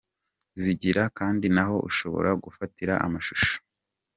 Zigira kandi n’aho ushobora gufatira amashusho.